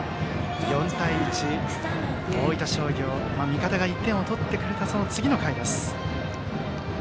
４対１、大分商業味方が１点を取ってくれたその次の回です。